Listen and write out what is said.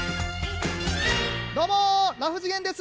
どうもラフ次元です。